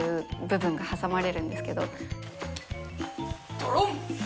ドロン！